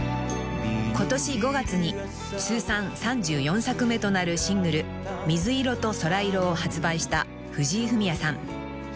［今年５月に通算３４作目となるシングル『水色と空色』を発売した藤井フミヤさん］